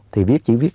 thì viết chỉ viết